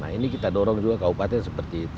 nah ini kita dorong juga kabupaten seperti itu